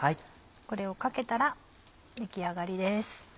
これをかけたら出来上がりです。